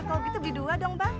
kalau gitu beli dua dong bang